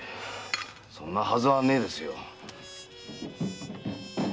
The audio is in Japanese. そんなはずはねえですよ。